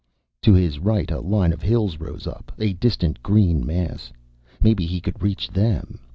To his right a line of hills rose up, a distant green mass. Maybe he could reach them.